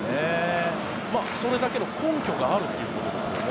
それだけの根拠があるということですよね。